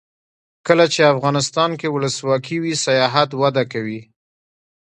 کله چې افغانستان کې ولسواکي وي سیاحت وده کوي.